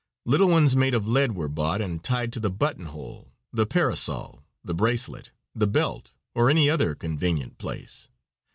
Little ones made of lead were bought and tied to the button hole, the parasol, the bracelet, the belt, or any other convenient place.